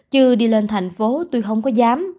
chứ đi lên thành phố tôi không có dám